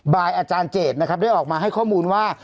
อาจารย์เจดนะครับได้ออกมาให้ข้อมูลว่า